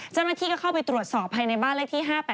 เจ้าหน้าที่ก็เข้าไปตรวจสอบภายในบ้านเลขที่๕๘